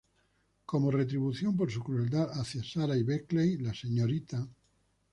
Como retribución por su crueldad hacia Sara y Becky, la Srta.